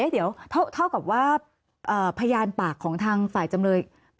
เดี๋ยวเท่ากับว่าพยานปากของทางฝ่ายจำเลย